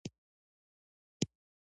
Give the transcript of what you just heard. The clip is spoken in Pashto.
ما کانونو او معادنو ته هم ځای ورکړ.